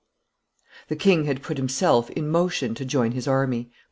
The king had put himself in motion to join his army.